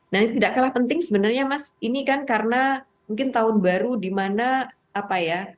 nah ini tidak kalah penting sebenarnya mas ini kan karena mungkin tahun baru di mana apa ya